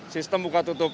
sistem buka tutup